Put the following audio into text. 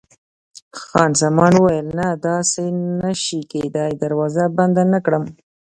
خان زمان وویل: نه، داسې نه شي کېدای، دروازه بنده نه کړم.